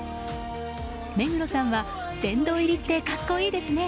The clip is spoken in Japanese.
目黒さんは殿堂入りって格好いいですね。